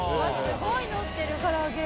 すごいのってるから揚げ。